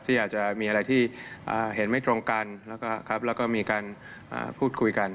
อาจจะมีอะไรที่เห็นไม่ตรงกันแล้วก็มีการพูดคุยกัน